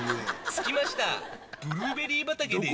着きましたブルーベリー畑です